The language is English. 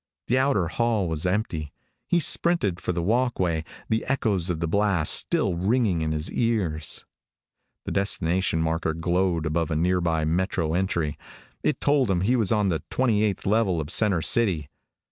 The outer hall was empty. He sprinted for the walk way, the echoes of the blast still ringing in his ears. A destination marker glowed above a nearby metro entry. It told him he was on the Twenty eighth level of center city.